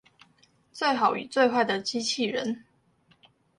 最好與最壞的機器人